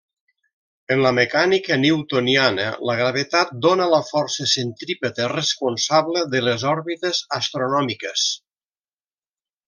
En la mecànica newtoniana, la gravetat dóna la força centrípeta responsable de les òrbites astronòmiques.